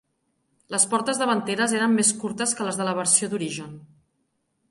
Les portes davanteres eren més curtes que les de la versió d'origen.